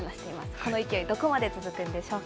この勢い、どこまで続くんでしょうか。